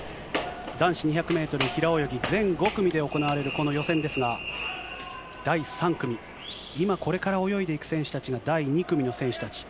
男子２００メートル平泳ぎ、全５組で行われるこの予選ですが、第３組、今、これから泳いでいく選手たちが第２組の選手たち。